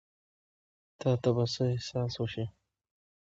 تا ته به څۀ احساس وشي ـ